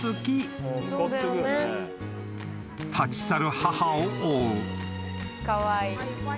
［立ち去る母を追う］